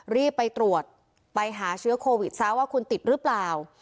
รีบไปตรวจไปหาเชื้อโควิดซะว่าคุณติดหรือเปล่า